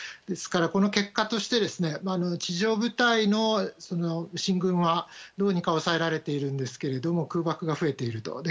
ですから、この結果として地上部隊の進軍はどうにか抑えられているんですけれども空爆が増えていると。